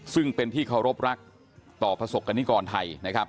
ซึ่งเป็นที่เคารพรักต่อประสบกรณิกรไทยนะครับ